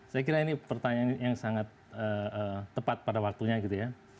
saya kira ini pertanyaan yang sangat tepat pada waktunya gitu ya